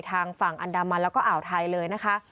ทางฝั่งอันดามันแล้วก็อ่าวไทยเลยนะคะ